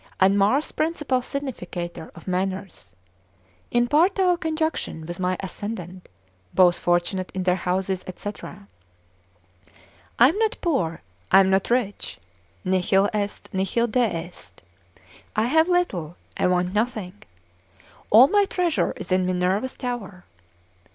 and Mars principal significator of manners, in partile conjunction with my ascendant; both fortunate in their houses, &c. I am not poor, I am not rich; nihil est, nihil deest, I have little, I want nothing: all my treasure is in Minerva's tower.